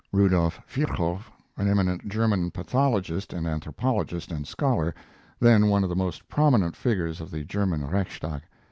[Rudolph Virchow, an eminent German pathologist and anthropologist and scholar; then one of the most prominent figures of the German Reichstag.